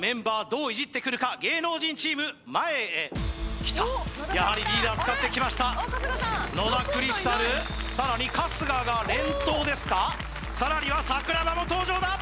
どういじってくるか芸能人チーム前へきたやはりリーダー使ってきました野田クリスタルさらに春日が連闘ですかさらには桜庭も登場だ